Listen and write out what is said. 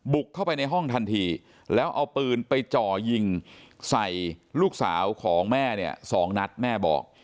เข้าไปในห้องทันทีแล้วเอาปืนไปจ่อยิงใส่ลูกสาวของแม่เนี่ยสองนัดแม่บอก